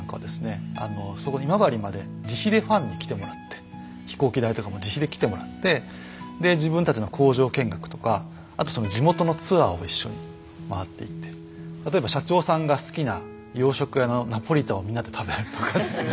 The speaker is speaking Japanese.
今治まで自費でファンに来てもらって飛行機代とかも自費で来てもらって自分たちの工場見学とかあと地元のツアーを一緒に回っていって例えば社長さんが好きな洋食屋のナポリタンをみんなで食べるとかですね。